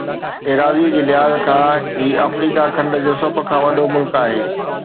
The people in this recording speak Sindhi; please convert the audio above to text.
ايراضيءَ جي لحاظ کان هي آفريڪا کنڊ جو سڀ کان وڏو ملڪ آهي